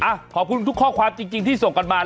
ขอบคุณทุกข้อความจริงที่ส่งกันมา